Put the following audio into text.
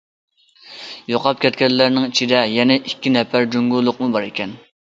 يوقاپ كەتكەنلەرنىڭ ئىچىدە يەنە ئىككى نەپەر جۇڭگولۇقمۇ بار ئىكەن.